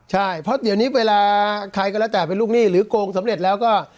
ใช่เพราะเดี๋ยวนี้เวลาใครก็แล้วแต่เป็นลูกหนี้หรือโกงสำเร็จแล้วก็